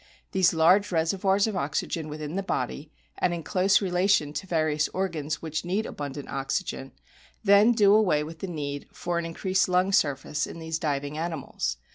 These large reservoirs of oxygen within the body, and in close relation to various organs which need abundant oxygen, then do away with the need for an in creased lung surface in these diving animals.